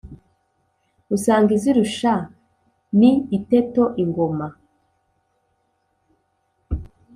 usanga izirusha ni iteto, ingoma